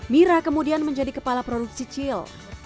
mira kemudian menjadi kepala produksi cil